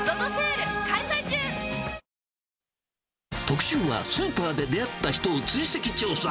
特集は、スーパーで出会った人を追跡調査。